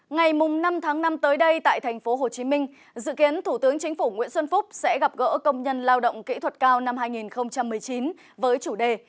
ngày năm tháng năm tới đây tại tp hcm dự kiến thủ tướng chính phủ nguyễn xuân phúc sẽ gặp gỡ công nhân lao động kỹ thuật cao năm hai nghìn một mươi chín với chủ đề